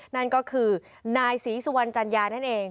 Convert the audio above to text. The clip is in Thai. นั่นก็คือนายศรีสุวรรณจัญญานั่นเอง